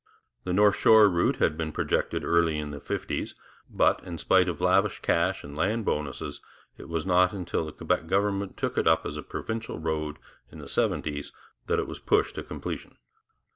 The North Shore route had been projected early in the fifties, but, in spite of lavish cash and land bonuses, it was not until the Quebec government took it up as a provincial road, in the seventies, that it was pushed to completion.